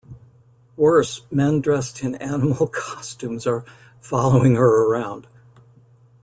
Worse, men dressed in animal costumes are following her around.